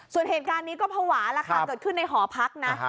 ส่วนเหตุการณ์นี้ก็ภาวะแล้วค่ะเกิดขึ้นในหอพักนะ